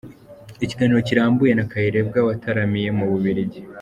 Ikiganiro kirambuye na Kayirebwa wataramiye mu Bubiligi.